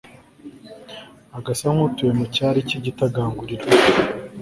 agasa nk'utuye mu cyari cy'igitagangurirwa